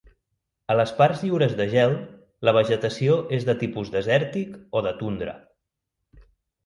A les parts lliures de gel, la vegetació és de tipus desèrtic o de tundra.